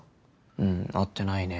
うん会ってないね。